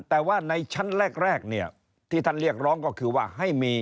แต่ว่าในชั้นแรกที่ท่านเรียกร้องก็คือว่า